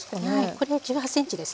これは１８ｃｍですね。